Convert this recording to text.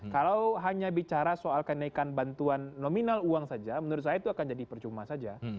kalau hanya bicara soal kenaikan bantuan nominal uang saja menurut saya itu akan jadi percuma saja